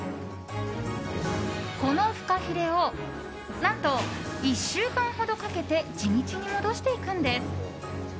このフカヒレを何と１週間ほどかけて地道に戻していくんです。